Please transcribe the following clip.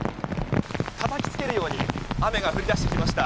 たたきつけるように雨が降り出してきました。